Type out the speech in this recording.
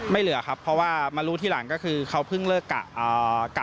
เหลือครับเพราะว่ามารู้ทีหลังก็คือเขาเพิ่งเลิกกะ